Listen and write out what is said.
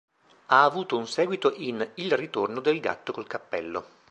Ha avuto un seguito in "Il ritorno del gatto col cappello".